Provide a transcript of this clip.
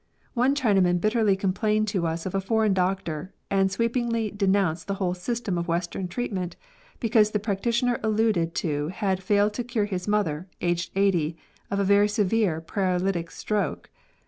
One Chinaman bitterly complained to us of a foreign doctor, and sweepingly denounced the whole system of western treatment, because the practitioner alluded to had failed to cure his mother, aged eighty, of a very severe paralytic stroke.